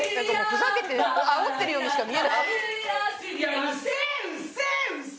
あおってるようにしか見えない。